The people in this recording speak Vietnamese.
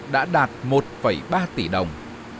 đã đạt một ba tỷ đồng